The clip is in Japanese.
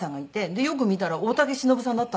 でよく見たら大竹しのぶさんだったんですよね。